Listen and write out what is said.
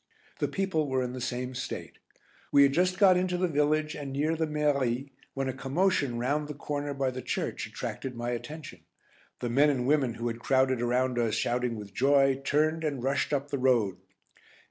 The people were in the same state. We had just got into the village, and near the Mairie, when a commotion round the corner by the church attracted my attention. The men and women who had crowded around us shouting with joy, turned and rushed up the road.